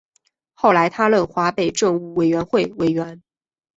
后来他任华北政务委员会委员。